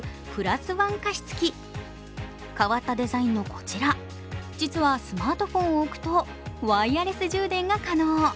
変わったデザインのこちら実はスマートフォンを置くとワイヤレス充電が可能。